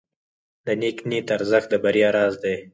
د نیک نیت ارزښت د بریا راز دی.